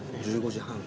１５時半。